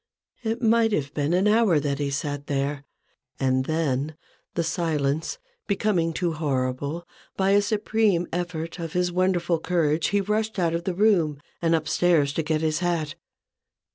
It might have been an hour that he sat there ; and then, the silence becoming too horrible, by a supreme effort of his wonderful courage he rushed out of the room and up stairs to get his hat.